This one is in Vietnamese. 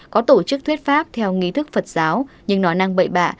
có tổ chức thuyết pháp theo nghi thức phật giáo nhưng nói năng bậy bạ